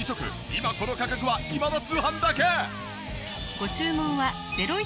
今この価格は『今田通販』だけ！